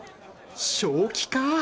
正気か？